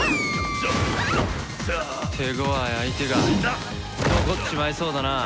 手ごわい相手が残っちまいそうだな。